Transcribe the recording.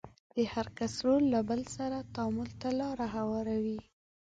د هر کس رول له بل سره تعامل ته لار هواروي.